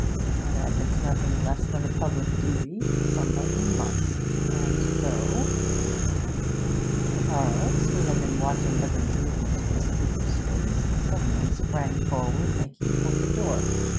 But as it's nothing less than a public duty, somebody must, and so ' Charles, who had been watching every movement of the speaker's face, suddenly sprang forward, making for the door.